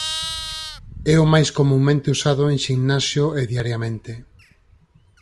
É o máis comunmente usado en ximnasio e diariamente.